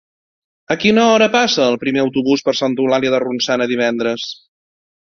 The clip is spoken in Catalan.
A quina hora passa el primer autobús per Santa Eulàlia de Ronçana divendres?